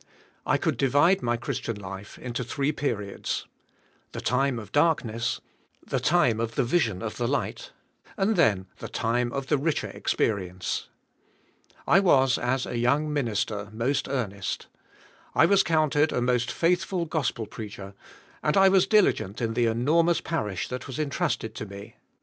I could divide my Christian life into three periods: The time of dark ness, the time of the vision of the light and then the time of the richer experience. I was, as a young minister, most earnest. I was counted a most faith ful gospel preacher, and I was diligent in the enor mous parish that was entrusted to me.